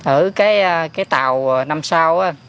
ở cái tàu năm sao